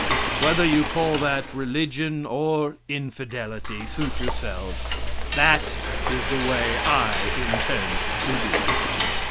Whether you call that religion or infidelity, suit yourselves; that is the way I intend to do it.